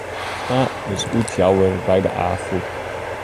Bruinsma is útjouwer by de Afûk.